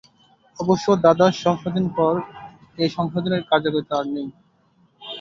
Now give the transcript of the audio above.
অবশ্য দ্বাদশ সংশোধনীর পর এ সংশোধনীর কার্যকারিতা আর নেই।